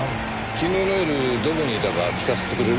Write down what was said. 昨日の夜どこにいたか聞かせてくれる？